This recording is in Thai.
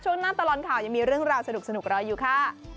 ช่วงหน้าตลอดข่าวยังมีเรื่องราวสนุกรออยู่ค่ะ